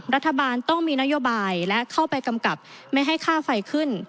รัฐบาลต้องมีนโยบายและเข้าไปกำกับไม่ให้ค่าไฟขึ้น